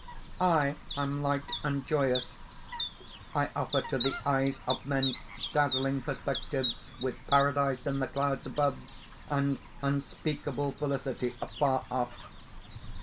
"I am light and joyous! I offer to the eyes of men dazzling perspectives with Paradise in the clouds above, and unspeakable felicity afar off.